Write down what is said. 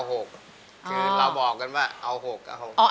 คือเราบอกกันว่าเอา๖กับ๖๕